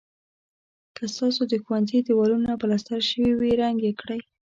که ستاسو د ښوونځي دېوالونه پلستر شوي وي رنګ یې کړئ.